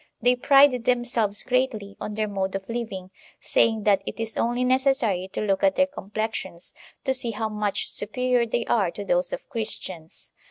They pride themselves greatly on their mode of living, sapng that it is only necessary to look at their complexions, to see how much superior they are to those of Christians.